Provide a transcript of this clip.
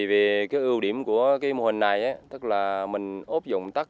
vì ưu điểm của mô hình này tức là mình ốp dụng tắc